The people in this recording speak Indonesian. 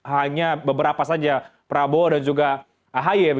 hanya beberapa saja prabowo dan juga ahy